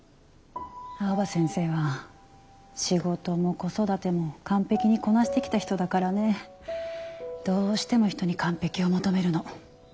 青葉先生は仕事も子育ても完璧にこなしてきた人だからねどうしても人に完璧を求めるの。